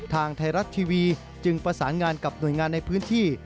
ทางไทยรัฐทีวีจึงประสานงานกับหน่วยงานในพื้นที่